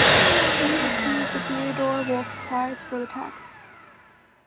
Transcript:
She received the Theodor Wolff Prize for the text.